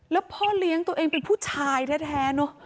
แล้วพ่อเลี้ยงตัวเองเป็นผู้ชายแท้เนอะ